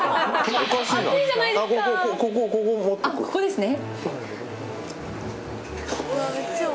ここですね。